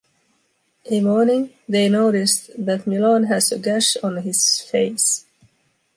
A morning, they noticed that Milon has a gash on his face.